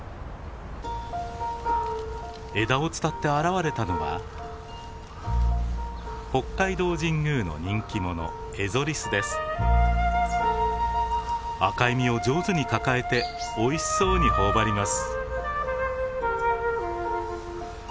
枝を伝って現れたのは北海道神宮の人気者赤い実を上手に抱えておいしそうに頬張ります。